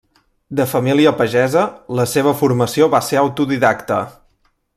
De família pagesa, la seva formació va ser autodidacta.